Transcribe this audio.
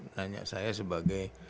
tanya saya sebagai